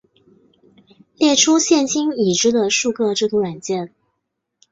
列出现今已知的数个制图软体